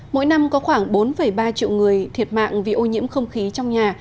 mỗi năm có khoảng bốn ba triệu người thiệt mạng vì ô nhiễm không khí trong nhà